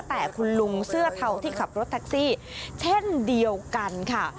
แต่คุณลุงเสื้อเทาที่ขับรถแท็กซี่เช่นเดียวกันค่ะ